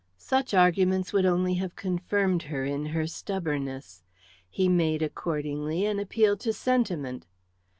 Such arguments would only have confirmed her in her stubbornness. He made accordingly an appeal to sentiment.